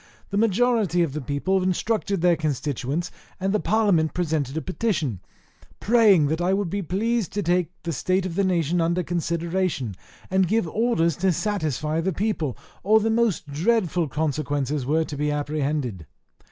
The majority of the people instructed their constituents, and the parliament presented a petition, praying that I would be pleased to take the state of the nation under consideration, and give orders to satisfy the people, or the most dreadful consequences were to be apprehended.